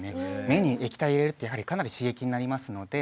目に液体入れるってかなり刺激になりますので。